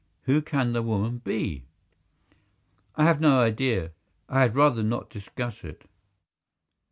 "Who can the woman be?" "I have no idea. I had rather not discuss it."